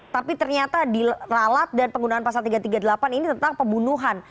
tapi ternyata diralat dan penggunaan pasal tiga ratus tiga puluh delapan ini tentang pembunuhan